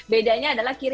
bedanya adalah kira kira